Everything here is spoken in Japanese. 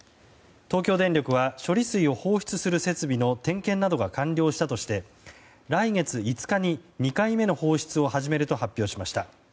東京電力は処理水を放出する設備の点検などが完了したとして来月５日に２回目の放出を始めると発表しました。